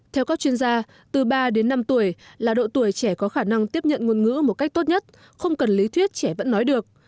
theo các chuyên gia từ ba đến năm tuổi là độ tuổi trẻ có khả năng tiếp nhận ngôn ngữ một cách tốt nhất không cần lý thuyết trẻ vẫn nói được